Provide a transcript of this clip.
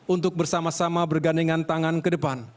untuk bersama sama bergandengan tangan ke depan